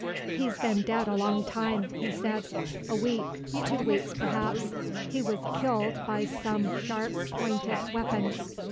"He's been dead a long time," he said. "A week, two weeks, perhaps. He was killed by some sharp pointed weapon.